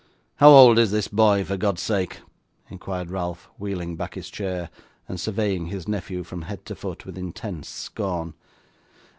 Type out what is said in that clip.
'How old is this boy, for God's sake?' inquired Ralph, wheeling back his chair, and surveying his nephew from head to foot with intense scorn.